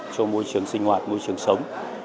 cho môi trường sinh hoạt môi trường sống